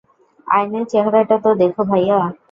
আয়নায় চেহারাটা তো দেখো, ভাইয়া।